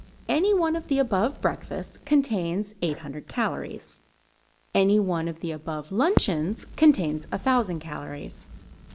Any one of the above breakfasts contains 800 calories. Any one of the above luncheons contains 1000 calories.